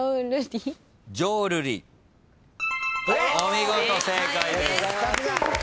お見事正解です。